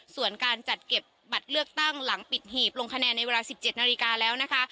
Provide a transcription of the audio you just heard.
ส่วนการจัดเก็บบัตรเลือกตั้งหลังปิดหีบลงคะแนนในเวลา๑๗นาฬิกาแล้วนะคะ